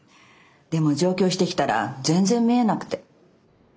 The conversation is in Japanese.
でも上京してきたら全然見えなくて。